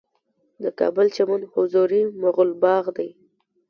د کابل چمن حضوري مغل باغ دی